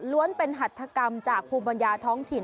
ล้วนเป็นหัตถกรรมจากภูมิบรรยาท้องถิ่น